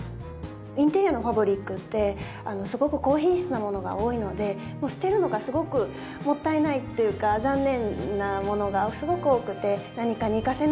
インテリアのファブリックってすごく高品質なものが多いので捨てるのがすごくもったいないっていうか残念なものがすごく多くて。